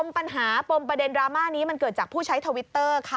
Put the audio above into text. ปัญหาปมประเด็นดราม่านี้มันเกิดจากผู้ใช้ทวิตเตอร์ค่ะ